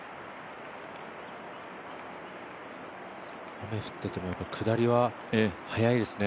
雨降ってても下りは速いですね。